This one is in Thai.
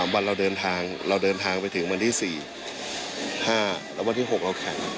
วันเราเดินทางเราเดินทางไปถึงวันที่๔๕แล้ววันที่๖เราแข่ง